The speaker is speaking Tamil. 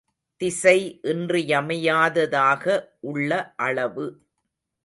திசை இன்றியமையாததாக உள்ள அளவு.